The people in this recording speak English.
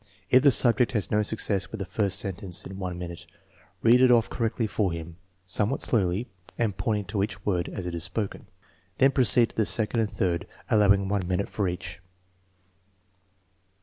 If the subject has no success with the first sentence in one minute, read it off correctly for him, somewhat slowly, and pointing to each word as it is spoken. Then proceed to the second and third, allowing one minute for each.